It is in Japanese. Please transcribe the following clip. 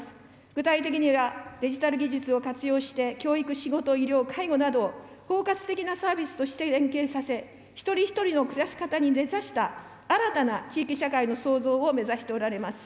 具体的には、デジタル技術を活用して教育、仕事、医療、介護など、包括的なサービスとして連携させ、一人一人の暮らし方に根ざした新たな地域社会の創造を目指しておられます。